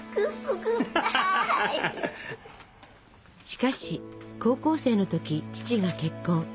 しかし高校生の時父が結婚。